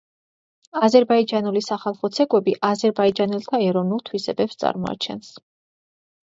აზერბაიჯანული სახალხო ცეკვები აზერბაიჯანელთა ეროვნულ თვისებებს წარმოაჩენს.